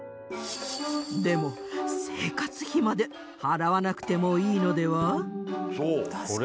でも生活費まで払わなくてもいいのでは？